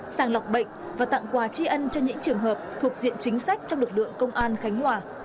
sàng lọc bệnh và tặng quà tri ân cho những trường hợp thuộc diện chính sách trong lực lượng công an khánh hòa